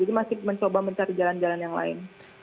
jadi masih mencoba mencari jalan jalan yang lain